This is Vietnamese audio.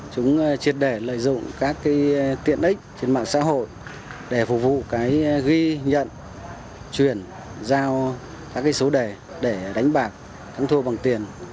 chúng triệt đề lợi dụng các tiện ích trên mạng xã hội để phục vụ ghi nhận truyền giao các số đề để đánh bạc thắng thua bằng tiền